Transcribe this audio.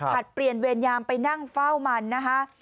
เปลี่ยนเวรยามไปนั่งเฝ้ามันนะคะ